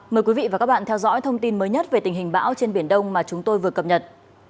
mời quý vị và các bạn theo dõi thông tin mới nhất về tình hình bão trên biển đông mà chúng tôi vừa cập nhật